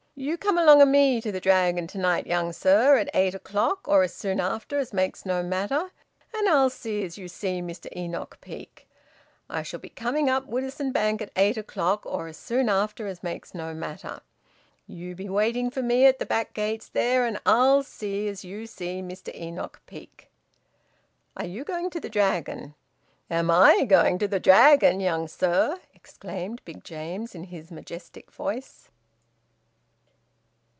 "You come along o' me to the Dragon to night, young sir, at eight o'clock, or as soon after as makes no matter, and I'll see as you see Mr Enoch Peake. I shall be coming up Woodisun Bank at eight o'clock, or as soon after as makes no matter. You be waiting for me at the back gates there, and I'll see as you see Mr Enoch Peake." "Are you going to the Dragon?" "Am I going to the Dragon, young sir!" exclaimed Big James, in his majestic voice.